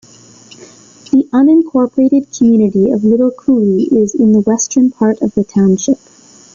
The unincorporated community of Little Cooley is in the western part of the township.